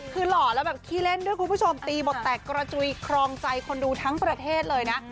คือหล่อแล้วแบบขี้เล่นด้วยคุณผู้ชมตีบทแตกกระจุยครองใจคนดูทั้งประเทศเลยนะ